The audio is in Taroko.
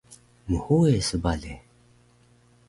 Mhuwe su bale